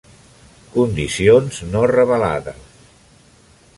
Condicions no revelades.